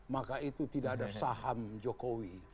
maka itu tidak ada saham jokowi